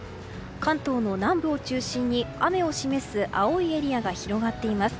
関東の南部を中心に雨を示す青いエリアが広がっています。